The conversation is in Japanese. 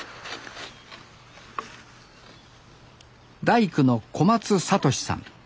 大工の小松聡志さん